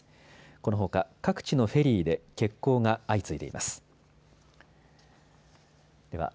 このほか各地のフェリーで欠航が相次いでいます。